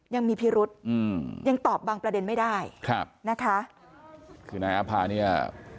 ยังมีพิรุษอืมยังตอบบางประเด็นไม่ได้ครับนะคะคือนายอาภาเนี่ย